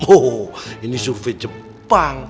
oh ini survei jepang